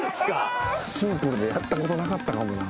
シンプルでやったことなかったかもな。